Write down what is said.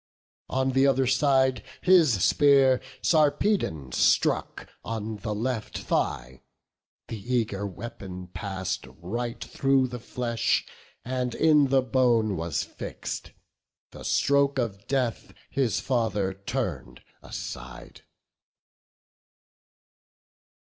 On th' other side his spear Sarpedon struck On the left thigh; the eager weapon pass'd Right through the flesh, and in the bone was fix'd; The stroke of death his father turn'd aside.